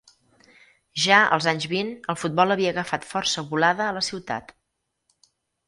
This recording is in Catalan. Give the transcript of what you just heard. Ja, als anys vint, el futbol havia agafat força volada a la ciutat.